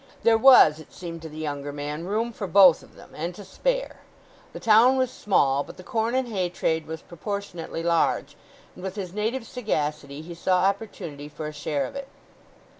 There was, it seemed to the younger man, room for both of them and to spare. The town was small, but the corn and hay trade was proportionately large, and with his native sagacity he saw opportunity for a share of it.